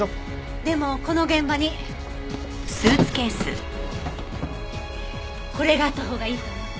でもこの現場にこれがあったほうがいいと思って。